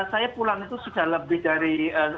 saya pulang itu sudah lebih dari